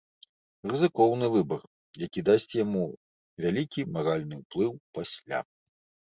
Рызыкоўны выбар, які дасць яму вялікі маральны ўплыў пасля.